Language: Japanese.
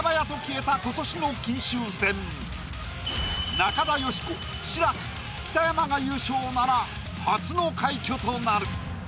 中田喜子志らく北山が優勝なら初の快挙となる。